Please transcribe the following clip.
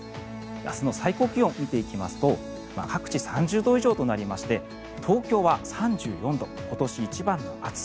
明日の最高気温、見ていきますと各地３０度以上となりまして東京は３４度今年一番の暑さ。